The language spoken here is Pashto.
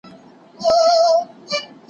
دا نظریات هسې افسانې نه دي.